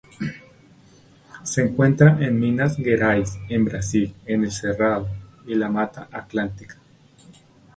Se encuentra en Minas Gerais en Brasil en el Cerrado y la Mata Atlántica.